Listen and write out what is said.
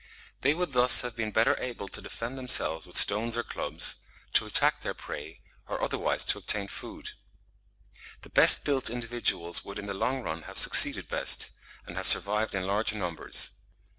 They would thus have been better able to defend themselves with stones or clubs, to attack their prey, or otherwise to obtain food. The best built individuals would in the long run have succeeded best, and have survived in larger numbers.